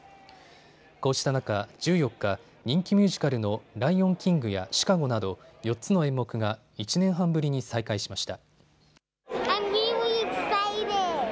こうした中、１４日、人気ミュージカルのライオンキングやシカゴなど４つの演目が１年半ぶりに再開しました。